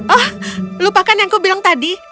oh lupakan yang kubilang tadi